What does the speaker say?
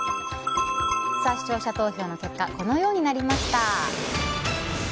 視聴者投票の結果このようになりました。